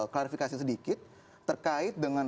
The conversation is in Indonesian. klarifikasi sedikit terkait dengan